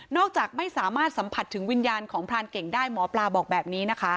จากไม่สามารถสัมผัสถึงวิญญาณของพรานเก่งได้หมอปลาบอกแบบนี้นะคะ